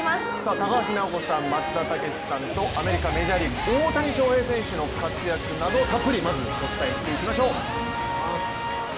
高橋尚子さん、松田丈志さんとアメリカ・メジャーリーグ大谷翔平選手の活躍などたっぷりお伝えしていきましょう。